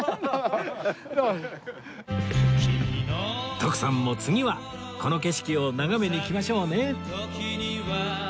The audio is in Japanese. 徳さんも次はこの景色を眺めに来ましょうね